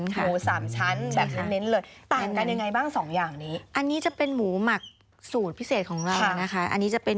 กับหมูเข็ม